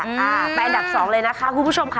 อ่าไปอันดับสองเลยนะคะคุณผู้ชมค่ะ